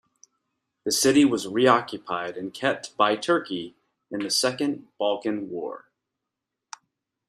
The city was re-occupied and kept by Turkey in the Second Balkan War.